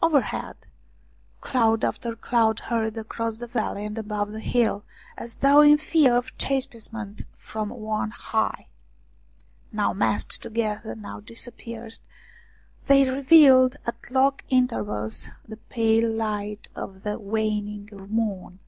Overhead, cloud after cloud hurried across the valley and above the hill, as though in fear of chastisement from on high ; now massed together, now dispersed, they revealed at long intervals the pale light of the waning moon.